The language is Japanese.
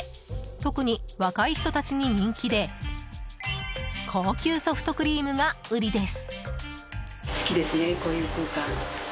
特に若い人たちに人気で高級ソフトクリームが売りです。